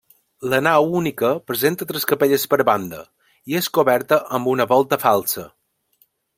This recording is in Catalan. La nau única presenta tres capelles per banda, i és coberta amb una volta falsa.